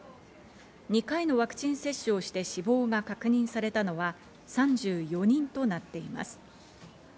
２回のワクチン接種をして死亡が確認されたのは３４人となっています。